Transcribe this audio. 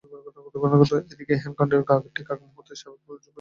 এদিকে এহেন কাণ্ডের ঠিক আগমুহূর্তেই সাবেক স্বামীর ভূয়সী প্রশংসা করেন জেনিফার।